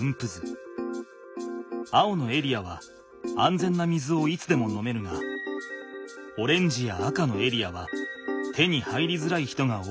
青のエリアは安全な水をいつでも飲めるがオレンジや赤のエリアは手に入りづらい人が多い地域だ。